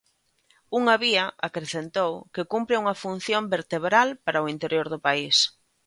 Unha vía, acrecentou, que cumpre unha función vertebral para o interior do país.